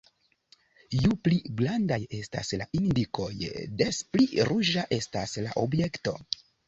Ju pli grandaj estas la indikoj des pli ruĝa estas la objekto.